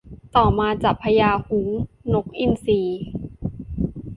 ต่อมาจับพญาฮุ้ง นกอินทรีย์